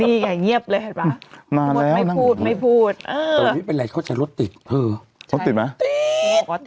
นี่ไงเงียบเลยเห็นป่ะโดยไม่พูดมาก